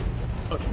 あっ。